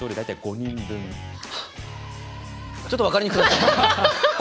ちょっと分かりにくい。